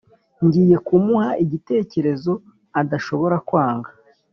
ngiye kumuha igitekerezo adashobora kwanga.